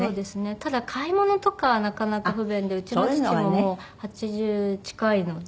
ただ買い物とかはなかなか不便でうちの父ももう８０近いので。